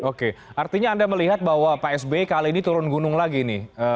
oke artinya anda melihat bahwa pak sby kali ini turun gunung lagi nih